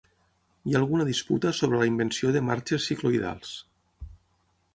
Hi ha alguna disputa sobre la invenció de marxes cicloïdals.